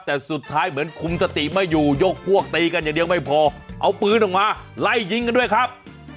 แต่สุดท้ายเหมือนคุมสติไม่อยู่ยกพวกตีกันอย่างเดียวไม่พอเอาปืนออกมาไล่ยิงกันด้วยครับ